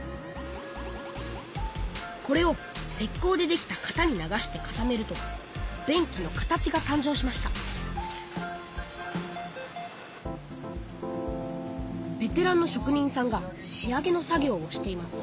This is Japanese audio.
これをせっこうでできた型に流して固めると便器の形がたん生しましたベテランのしょく人さんが仕上げの作業をしています